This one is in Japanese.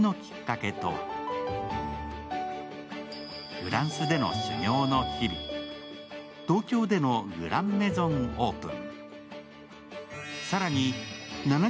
フランスでの修行の日々、東京でのグランメゾンオープン。